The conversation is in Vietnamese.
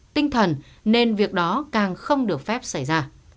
tinh thần nên việc đó càng không được phép xảy ra